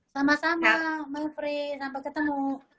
sama sama mayfrey sampai ketemu